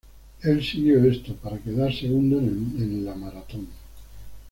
Él siguió esto, para quedar segundo en la maratón.